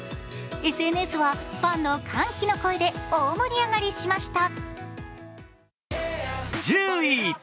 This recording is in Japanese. ＳＮＳはファンの歓喜の声で大盛り上がりしました。